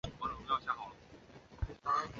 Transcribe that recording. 桥两端为各自的哨站。